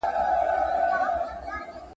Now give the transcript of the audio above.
دا سند د پروژې اړتیا تشریح کوي.